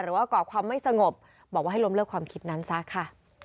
ก่อความไม่สงบบอกว่าให้ล้มเลิกความคิดนั้นซะค่ะ